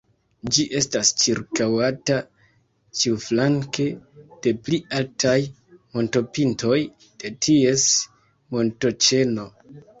Ĝi estas ĉirkaŭata ĉiuflanke de pli altaj montopintoj de ties montoĉeno.